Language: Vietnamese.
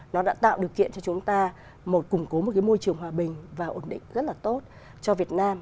nó đã tạo điều kiện cho chúng ta một củng cố một cái môi trường hòa bình và ổn định rất là tốt cho việt nam